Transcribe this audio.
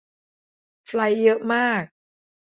ไฟลท์เยอะมาก